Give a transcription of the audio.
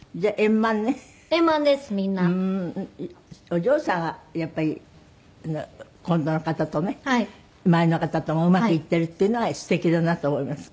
お嬢さんがやっぱり今度の方とね前の方ともうまくいっているっていうのがすてきだなと思います。